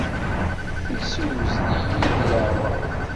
Issewzel-iyi di leɛmer.